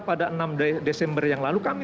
pada enam desember yang lalu kami